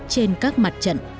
trên các mặt trận